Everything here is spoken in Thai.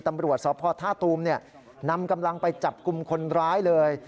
ตำรวจสพท่าตูมนำกำลังไปจับกลุ่มคนร้ายเลย